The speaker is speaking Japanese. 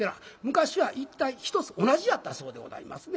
昔は一体一つ同じやったそうでございますね。